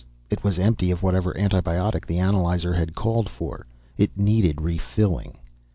It was empty of whatever antibiotic the analyzer had called for. It needed refilling.